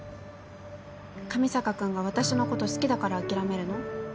上坂君が私のこと好きだから諦めるの？